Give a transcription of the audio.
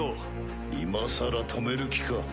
今更止める気か？